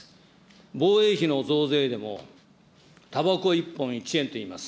防衛費の増税でも、たばこ１本１円といいます。